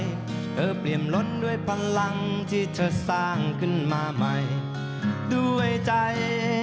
เธอเปลี่ยนล้นด้วยพลังที่เธอสร้างขึ้นมาใหม่ด้วยใจ